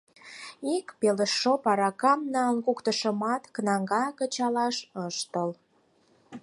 Ик пелыштоп аракам налын куктышымат, кнага кычалаш ыш тол...